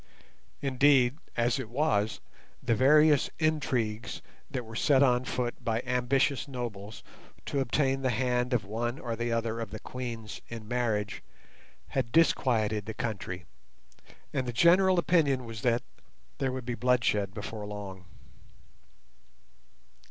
Indeed, as it was, the various intrigues that were set on foot by ambitious nobles to obtain the hand of one or other of the queens in marriage had disquieted the country, and the general opinion was that there would be bloodshed before long.